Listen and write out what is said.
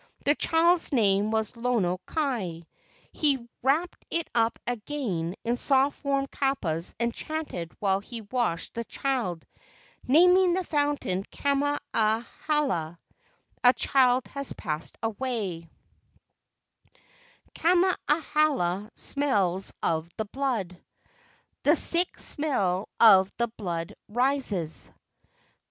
The child's name was Lono kai. He wrapped it again KE A U NINI 201 in soft warm kapas and chanted while he washed the child, naming the fountain Kama ahala (a child has passed away): " Kama ahala smells of the blood; The sick smell of the blood rises.